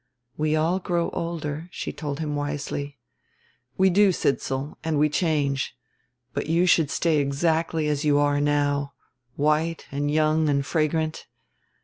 "We all grow older," she told him wisely. "So we do, Sidsall, and we change. But you should stay exactly as you are now, white and young and fragrant.